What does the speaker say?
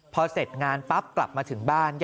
พอเสร็จงานปั๊บกลับมาถึงบ้าน